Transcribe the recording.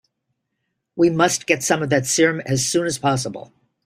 We must get some of that serum as soon as possible.